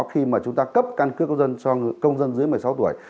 khi mà chúng ta cấp căn cước công dân cho công dân dưới một mươi sáu tuổi